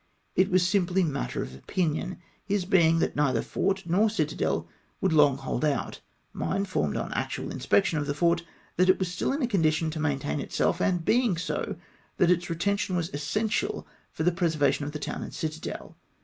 It was simply matter of opinion, his being that neither fort nor citadel would long hold out — mine, formed on actual inspection of the fort, that it was still in a condition to maintain itself, and being so, that its retention was es sential for the preservation of the town and citadel.